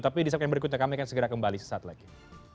tapi di segmen berikutnya kami akan segera kembali sesaat lagi